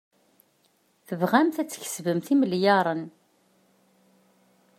Tebɣamt ad tkesbemt imelyaṛen.